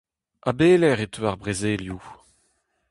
A belec’h e teu ar brezelioù ?